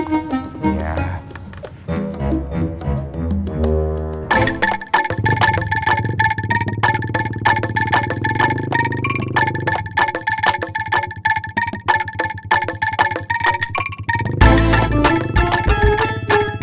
gimana mau diancam